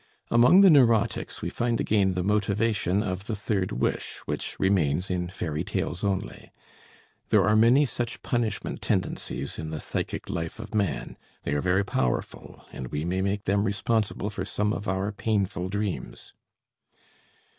Among the neurotics we find again the motivation of the third wish, which remains in fairy tales only. There are many such punishment tendencies in the psychic life of man; they are very powerful, and we may make them responsible for some of our painful dreams.